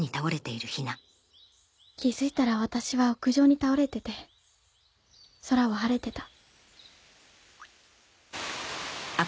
気づいたら私は屋上に倒れてて空は晴れてた。